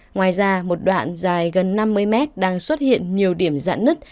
ngoài ra một đoạn dài gần năm mươi m đang xuất hiện nhiều điểm dãn nứt